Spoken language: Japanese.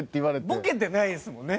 ボケてないんですもんね。